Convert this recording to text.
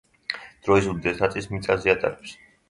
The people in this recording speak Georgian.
დროის უდიდეს ნაწილს მიწაზე ატარებს.